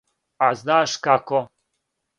А знаш како?